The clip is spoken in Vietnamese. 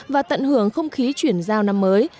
và tận hưởng không khí chuyển giao năm mới